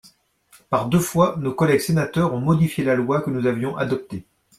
Par deux fois, nos collègues sénateurs ont modifié la loi que nous avions adoptée.